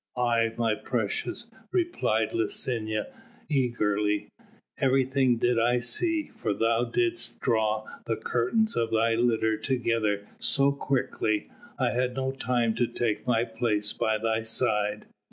"Aye, my precious," replied Licinia eagerly, "everything did I see; for thou didst draw the curtains of thy litter together so quickly, I had no time to take my place by thy side.